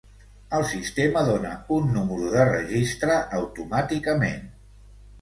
El sistema dona un número de registre automàticament.